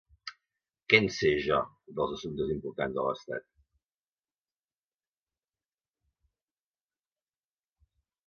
Què en sé jo, dels assumptes importants de l'estat?